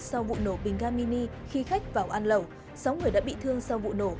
sau vụ nổ bình garmini khi khách vào ăn lẩu sáu người đã bị thương sau vụ nổ